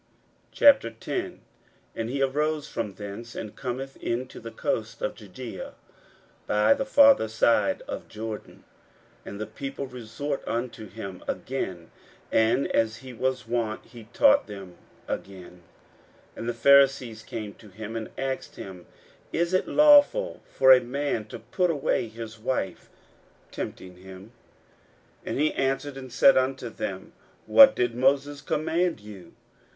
41:010:001 And he arose from thence, and cometh into the coasts of Judaea by the farther side of Jordan: and the people resort unto him again; and, as he was wont, he taught them again. 41:010:002 And the Pharisees came to him, and asked him, Is it lawful for a man to put away his wife? tempting him. 41:010:003 And he answered and said unto them, What did Moses command you?